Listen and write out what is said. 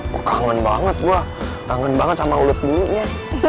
gue kangen banget gue kangen banget sama ulut bulunya